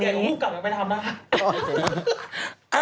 ถ้าเก่งของผู้กับก็ไปทำนะครับ